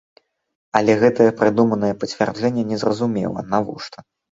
Але гэтае прыдуманае пацвярджэнне незразумела, навошта.